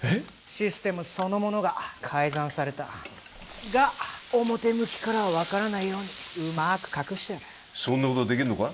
システムそのものが改ざんされたが表向きからは分からないようにうまく隠してあるそんなことできんのか？